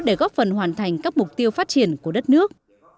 để góp phần hoàn thành các mục tiêu phát triển của đất nước